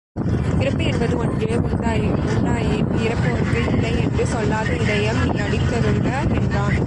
பிறப்பு என்பது ஒன்று உண்டாயின் இரப்போர்க்கு இல்லை என்று சொல்லாத இதயம் நீ அளித்தருள்க என்றான்.